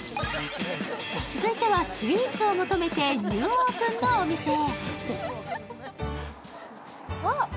続いては、スイーツを求めてニューオープンのお店へ。